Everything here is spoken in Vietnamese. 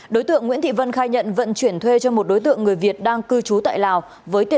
đối tượng nguyễn thị vân khai nhận vận chuyển thuê cho một đối tượng người việt